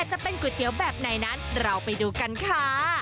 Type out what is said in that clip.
จะเป็นก๋วยเตี๋ยวแบบไหนนั้นเราไปดูกันค่ะ